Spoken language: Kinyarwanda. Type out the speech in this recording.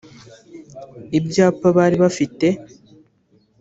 Ibyapa bari bafite